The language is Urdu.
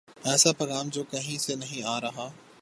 ایسا پیغام جو کہیں سے نہیں آ رہا۔